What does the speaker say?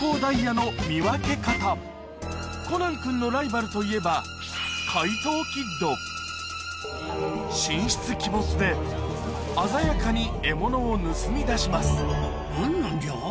コナン君のライバルといえば神出鬼没で鮮やかに獲物を盗み出します何なんじゃ？